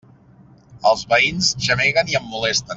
Els veïns gemeguen i em molesten.